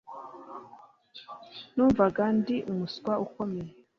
numvaga ndi umuswa ukomeye